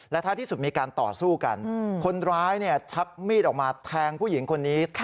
ท้ายที่สุดมีการต่อสู้กันคนร้ายชักมีดออกมาแทงผู้หญิงคนนี้